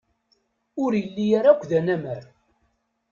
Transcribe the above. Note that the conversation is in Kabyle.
Ur yelli ara akk d anamar.